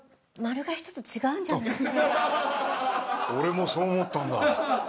俺もそう思ったんだ。